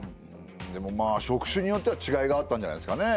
でもまあ職種によってはちがいがあったんじゃないですかねえ。